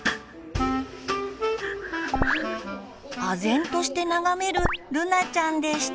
あぜんとして眺めるるなちゃんでした。